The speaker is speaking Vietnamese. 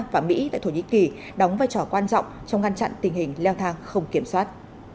và mỹ tại thổ nhĩ kỳ đóng vai trò quan trọng trong ngăn chặn tình hình leo thang không kiểm soát